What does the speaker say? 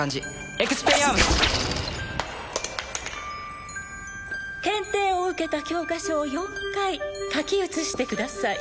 エクスペリアームス検定を受けた教科書を４回書き写してください